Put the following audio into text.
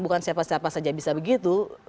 bukan siapa siapa saja bisa begitu